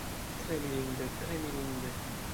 Tre mirinde, tre mirinde!